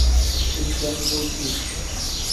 ঠিক জানি বৈকি।